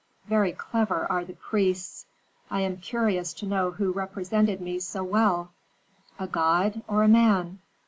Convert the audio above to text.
Very clever are the priests! I am curious to know who represented me so well, a god or a man?